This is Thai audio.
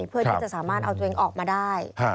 เพื่อที่จะสามารถเอาตัวเองออกมาได้